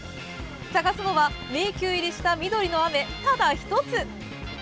探すのは、迷宮入りした「緑の雨」、ただ１つ！